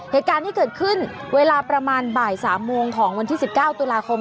เหตุการณ์ที่เกิดขึ้นเวลาประมาณบ่าย๓โมงของวันที่๑๙ตุลาคม